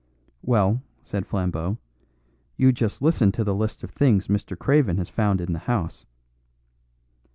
"Well," said Flambeau, "you just listen to the list of things Mr. Craven has found in the house."